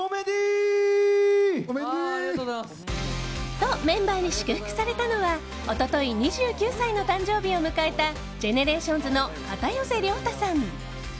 と、メンバーに祝福されたのは一昨日２９歳の誕生日を迎えたＧＥＮＥＲＡＴＩＯＮＳの片寄涼太さん。